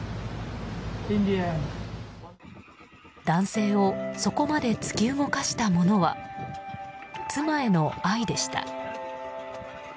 男性をそこまで突き動かしたものは妻への愛でした。